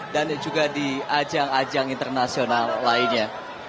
dan juga di ajang ajang internasional lainnya